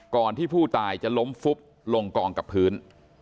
ก่อนที่ผู้ตายจะล้มฟุบลงกองกับพื้น